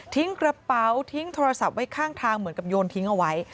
กระเป๋าทิ้งโทรศัพท์ไว้ข้างทางเหมือนกับโยนทิ้งเอาไว้